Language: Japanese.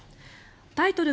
タイトル